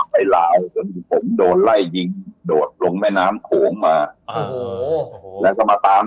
ไปราวข้นผมโดนไร่จิงโดดลงมายน้ำโทงมาแล้วจะมาตาม